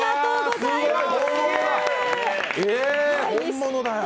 本物だよ。